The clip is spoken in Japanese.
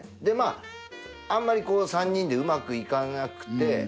でまああんまり３人でうまくいかなくて。